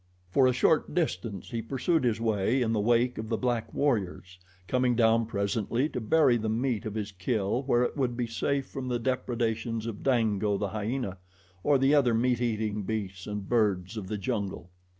For a short distance he pursued his way in the wake of the black warriors, coming down presently to bury the meat of his kill where it would be safe from the depredations of Dango, the hyena, or the other meat eating beasts and birds of the jungle.